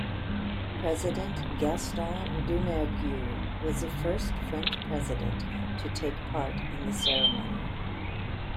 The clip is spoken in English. President Gaston Doumergue was the first French president to take part in the ceremony.